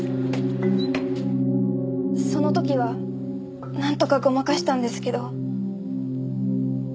その時はなんとかごまかしたんですけど。